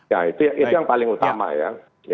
ya itu yang paling utama ya